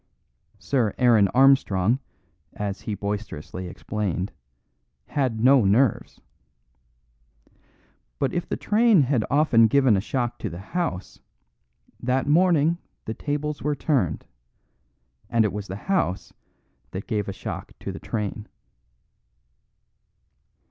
Sir Aaron Armstrong, as he boisterously explained, had no nerves. But if the train had often given a shock to the house, that morning the tables were turned, and it was the house that gave a shock to the train.